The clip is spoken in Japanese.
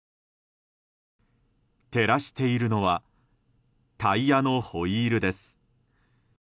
照らしているのはタイヤのホイールです。